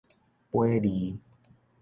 掰離